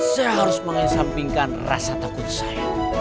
saya harus mengesampingkan rasa takut saya